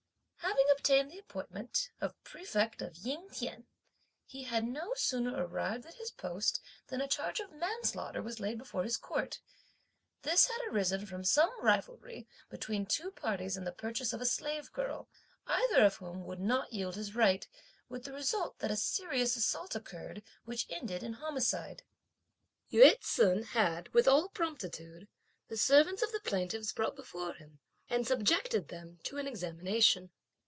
Having obtained the appointment of Prefect of Ying T'ien, he had no sooner arrived at his post than a charge of manslaughter was laid before his court. This had arisen from some rivalry between two parties in the purchase of a slave girl, either of whom would not yield his right; with the result that a serious assault occurred, which ended in homicide. Yü ts'un had, with all promptitude, the servants of the plaintiffs brought before him, and subjected them to an examination.